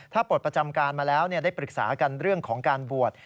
ถ้าปลดประจำการมาแล้วได้ปรึกษากันเรื่องของการบวช